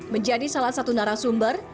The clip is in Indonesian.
menjadi salah satu narasumber